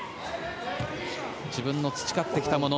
自分の培ってきたもの